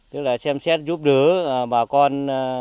tức là xem xét giúp đứa bà con